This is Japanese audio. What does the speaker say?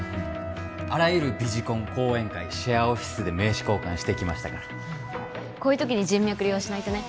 あらゆるビジコン講演会シェアオフィスで名刺交換してきましたからこういう時に人脈利用しないとね